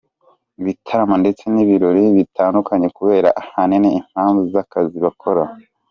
bitaramo ndetse nibirori bitandukanye kubera ahanini impamvu zakazi bakora.